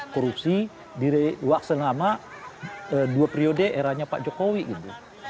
korupsi di selama dua periode eranya pak jokowi gitu